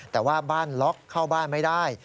แต่ว่าบ้านล็อกเข้าบ้านไม่ได้